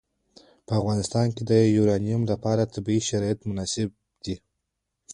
په افغانستان کې د یورانیم لپاره طبیعي شرایط مناسب دي.